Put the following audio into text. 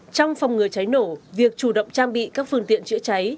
trong phòng ngừa cháy nổ việc chủ động trang bị các phương tiện chữa cháy